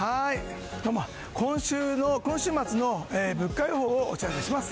今週末の物価予報をお知らせします。